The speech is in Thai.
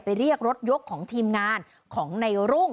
เรียกรถยกของทีมงานของในรุ่ง